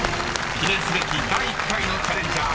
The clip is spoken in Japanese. ［記念すべき第１回のチャレンジャー